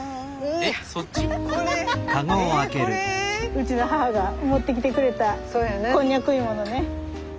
うちの母が持ってきてくれたコンニャク芋のね。